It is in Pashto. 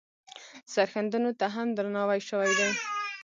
سرښندنو ته هم درناوی شوی دی.